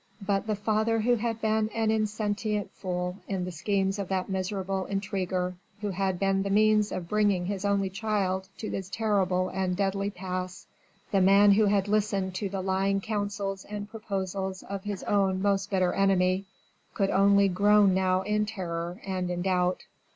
But the father who had been an insentient tool in the schemes of that miserable intriguer, who had been the means of bringing his only child to this terrible and deadly pass the man who had listened to the lying counsels and proposals of his own most bitter enemy, could only groan now in terror and in doubt.